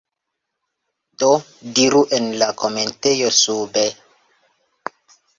Do, diru en la komentejo sube